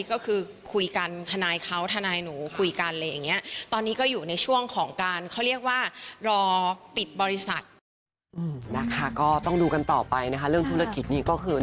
ก็คือคุยกันธนายเข้าธนายหนูคุยกันอะไรอย่างนี้